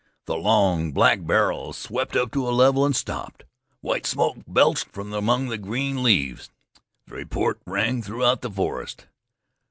The long, black barrel swept up to a level and stopped. White smoke belched from among the green leaves; the report rang throughout the forest.